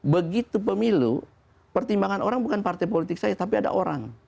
begitu pemilu pertimbangan orang bukan partai politik saya tapi ada orang